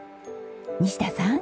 西田さん。